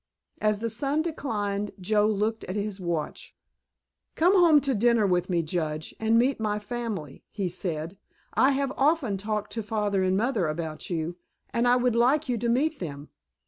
As the sun declined Joe looked at his watch. "Come home to dinner with me, Judge, and meet my family," he said. "I have often talked to Father and Mother about you and I would like you to meet them.